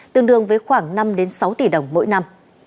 tương đương với khoảng năm sáu tỷ đồng mỗi năm